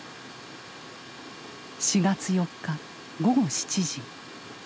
４月４日午後７時。